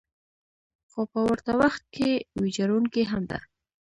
خو په ورته وخت کې ویجاړونکې هم ده.